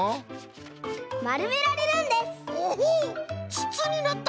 つつになった！